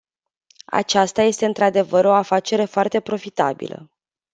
Aceasta este într-adevăr o afacere foarte profitabilă.